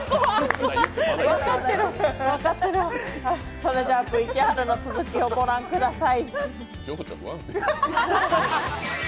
それではＶＴＲの続きを御覧ください。